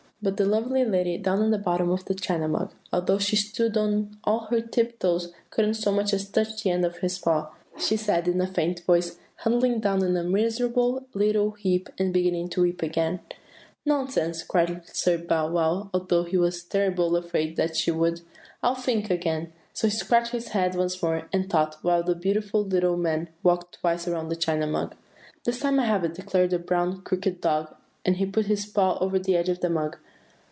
"But the lovely lady down in the bottom of the China Mug, although she stood on all her tip toes couldn't so much as touch the end of his paw. 'I shall die here,' she said, in a faint voice, huddling down in a miserable, little heap, and beginning to weep again. "'Nonsense!' cried Sir Bow wow, although he was terribly afraid that she would. 'I'll think again.' So he scratched his head once more, and thought, while the beautiful little man walked twice around the China Mug. 'This time I have it!' declared the brown crockery dog, and he put his paw over the edge of the mug.